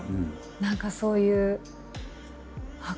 何かそういうあっ